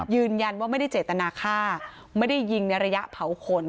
ยืนยันว่าไม่ได้เจตนาฆ่าไม่ได้ยิงในระยะเผาขน